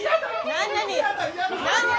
何？